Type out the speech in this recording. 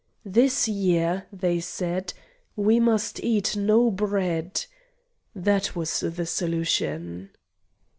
"This year," they said, "we must eat no bread." That was the solution.